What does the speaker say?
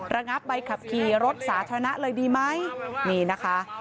ระงับใบขับขี่รถสาธารณะเลยดีไหมนี่นะคะ